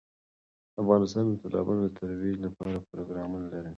افغانستان د تالابونو د ترویج لپاره پروګرامونه لري.